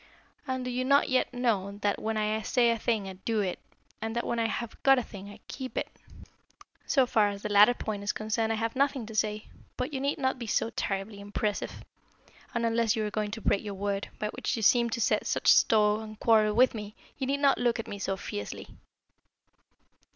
"And do you not yet know that when I say a thing I do it, and that when I have got a thing I keep it?" "So far as the latter point is concerned, I have nothing to say. But you need not be so terribly impressive; and unless you are going to break your word, by which you seem to set such store, and quarrel with me, you need not look at me so fiercely."